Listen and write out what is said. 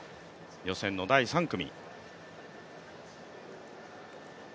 予選の第３組。